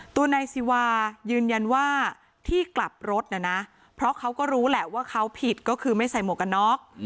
ตัวนายซีวายืนยันว่าที่กลับรถน่ะนะเพราะเขาก็รู้แหละว่าเขาผิดก็คือไม่ใส่หมวกกันน็อก